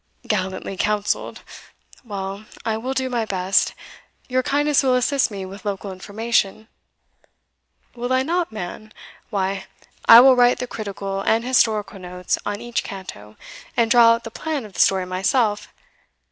"Gallantly counselled! Well, I will do my best your kindness will assist me with local information." "Will I not, man? why, I will write the critical and historical notes on each canto, and draw out the plan of the story myself.